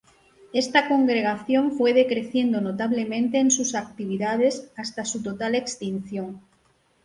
Esta congregación fue decreciendo notablemente en sus actividades, hasta su total extinción.